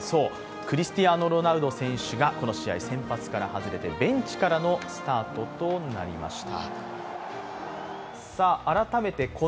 クリスチアーノ・ロナウド選手がこの試合、先発から外れて、ベンチからのスタートとなりました。